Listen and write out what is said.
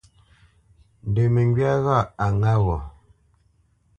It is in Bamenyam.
Ndə məŋgywá ghâʼ a ŋǎ gho?